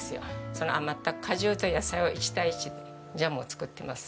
その余った果汁と野菜を１対１でジャムを作ってます。